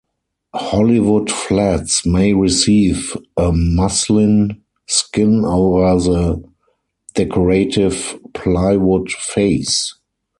Hollywood flats may receive a muslin skin over the decorative plywood face.